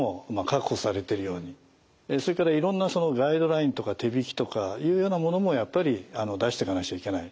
それからいろんなガイドラインとか手引とかいうようなものもやっぱり出していかなくちゃいけない。